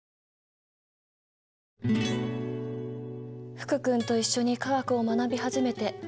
福君と一緒に化学を学び始めてはや半年。